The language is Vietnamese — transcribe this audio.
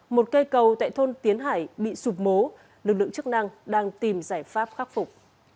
một cây cầu tại thôn tiến hải bị sụp mố lực lượng chức năng đang tìm giải pháp khắc phục